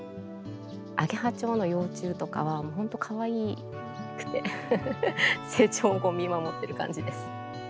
アゲハチョウの幼虫とかは本当かわいくて成長を見守ってる感じです。